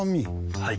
はい。